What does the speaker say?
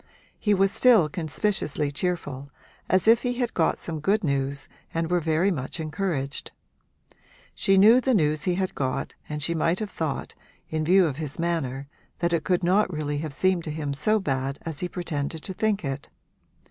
He was still conspicuously cheerful, as if he had got some good news and were very much encouraged. She knew the news he had got and she might have thought, in view of his manner, that it could not really have seemed to him so bad as he had pretended to think it.